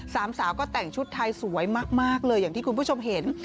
สามสาวก็แต่งชุดไทยสวยมากเลยอย่างที่คุณผู้ชมเห็น